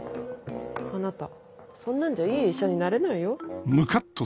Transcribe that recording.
あなたそんなんじゃいい医者になれないよ？